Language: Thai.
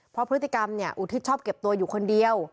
เพราะพฤติกรรมเนี่ยอุทิศชอบเก็บตัวอยู่คนเดียว